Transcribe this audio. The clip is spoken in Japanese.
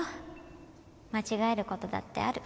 間違えることだってある。